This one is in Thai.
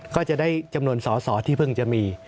ก็จะได้จำนวนสอสอที่เพิ่งจะมี